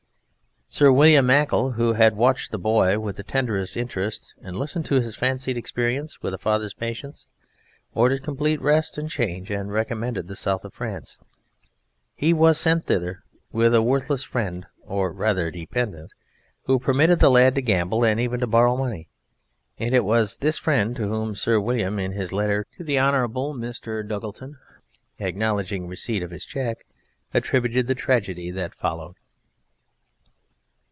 Sir William Mackle, who had watched the boy with the tenderest interest and listened to his fancied experiences with a father's patience, ordered complete rest and change, and recommended the South of France; he was sent thither with a worthless friend or rather dependent, who permitted the lad to gamble and even to borrow money, and it was this friend to whom Sir William (in his letter to the Honourable Mr. Duggleton acknowledging receipt of his cheque) attributed the tragedy that followed.